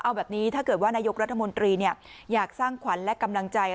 เอาแบบนี้ถ้าเกิดว่านายกรัฐมนตรีอยากสร้างขวัญและกำลังใจ